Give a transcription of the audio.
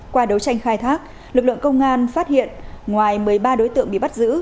qua đấu tranh khai thác lực lượng công an phát hiện ngoài một mươi ba đối tượng bị bắt giữ